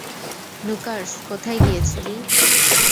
নুকার্স, কোথায় গিয়েছিলি?